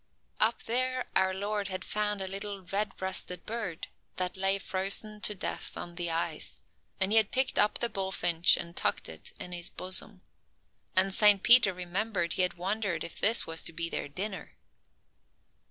Up there our Lord had found a little red breasted bird, that lay frozen to death on the ice, and He had picked up the bullfinch and tucked it in His bosom. And Saint Peter remembered he had wondered if this was to be their dinner.